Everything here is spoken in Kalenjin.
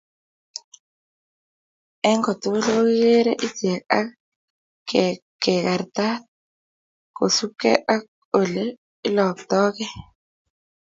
eng kotugul kokigeerei ichek ak kekartat kosubkei ak ole oloktogei